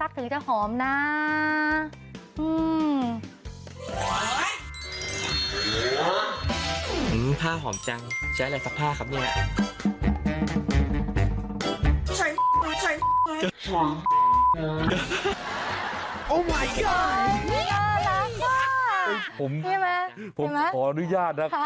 ผมขออนุญาตรครับ